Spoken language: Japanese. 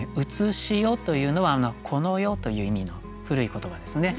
「現世」というのは「この世」という意味の古い言葉ですね。